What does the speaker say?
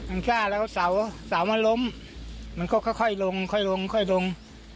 มันกล้าแล้วเสามันล้มมันก็ค่อยลงค่อยลงค่อยลง